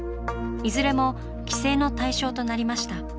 いずれも規制の対象となりました。